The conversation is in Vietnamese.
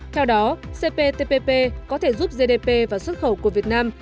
theo đó cptpp có thể giúp gdp và xuất khẩu của việt nam